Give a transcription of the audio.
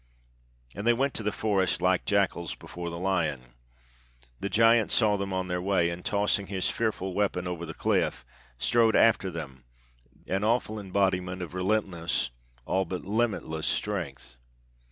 and they went to the forest like jackals before the lion. The giant saw them on their way, and tossing his fearful weapon over the cliff, strode after them, an awful embodiment of relentless, all but limitless strength.